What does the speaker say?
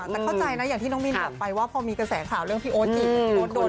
แต่เข้าใจนะอย่างที่น้องมินแบบไปว่าพอมีกระแสข่าวเรื่องพี่โอ๊ตอีก